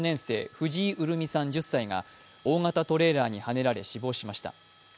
藤井潤美さん１０歳が大型トレーラーにはねられ死亡しました。